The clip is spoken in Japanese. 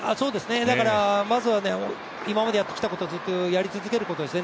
まずは今までやってきたことをずっとやり続けることですね。